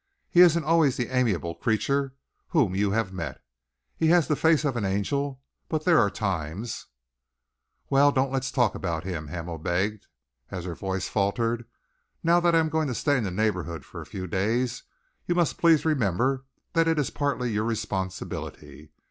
He isn't always the amiable creature whom you have met. He has the face of an angel, but there are times " "Well, don't let's talk about him," Hamel begged, as her voice faltered. "Now that I am going to stay in the neighbourhood for a few days, you must please remember that it is partly your responsibility.